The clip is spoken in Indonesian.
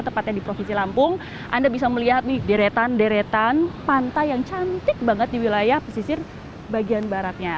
tepatnya di provinsi lampung anda bisa melihat nih deretan deretan pantai yang cantik banget di wilayah pesisir bagian baratnya